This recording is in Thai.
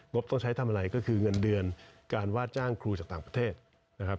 บต้องใช้ทำอะไรก็คือเงินเดือนการว่าจ้างครูจากต่างประเทศนะครับ